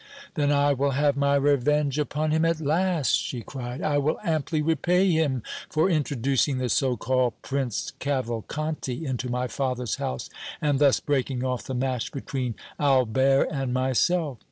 "Then I will have my revenge upon him at last!" she cried. "I will amply repay him for introducing the so called Prince Cavalcanti into my father's house and thus breaking off the match between Albert and myself."